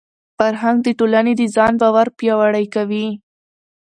فرهنګ د ټولني د ځان باور پیاوړی کوي.